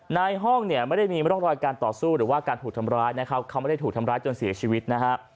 ในห้องเนี่ยไม่ได้มีร่องรอยการต่อสู้หรือว่าการถูกทำร้ายนะครับเขาไม่ได้ถูกทำร้ายจนเสียชีวิตนะฮะ